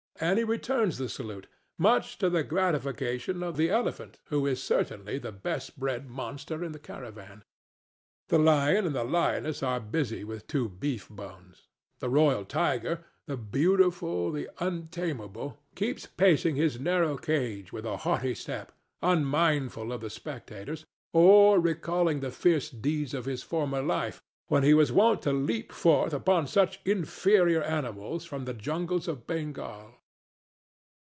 Annie returns the salute, much to the gratification of the elephant, who is certainly the best bred monster in the caravan. The lion and the lioness are busy with two beef bones. The royal tiger, the beautiful, the untamable, keeps pacing his narrow cage with a haughty step, unmindful of the spectators or recalling the fierce deeds of his former life, when he was wont to leap forth upon such inferior animals from the jungles of Bengal.